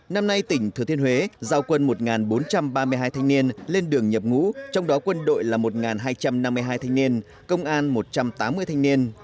năm nay tỉnh thừa thiên huế giao quân một bốn trăm ba mươi hai thanh niên lên đường nhập ngũ trong đó quân đội là một hai trăm năm mươi hai thanh niên công an một trăm tám mươi thanh niên